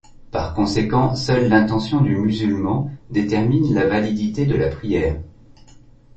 Par conséquent, seule l'intention du musulman détermine la validité de la prière.